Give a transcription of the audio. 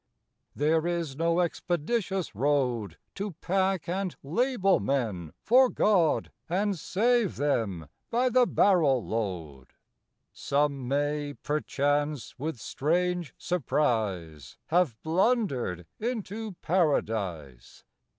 There is no expeditious road To pack and label men for God, And save them by the barrel load. Some may perchance, with strange surprise, Have blundered into Paradise.